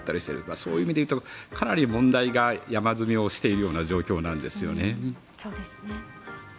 そういう意味でいうとかなり問題が山積みしている状況なんですよね。